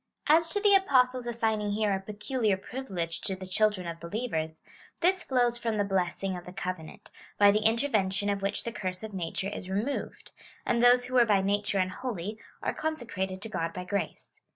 As to the Apostle's assigning here a peculiar privilege to the children of believers, this flows from the blessing of the covenant, by the intervention of which the curse of nature is removed ; and those who were by nature unholy are consecrated to God by grace.